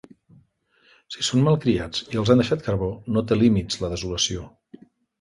Si són malcriats i els han deixat carbó, no té límits la desolació.